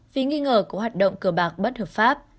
vì nghi ngờ của hoạt động cờ bạc bất hợp pháp